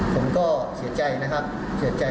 ผมก็เศร้าใจนะครับเหรอใจ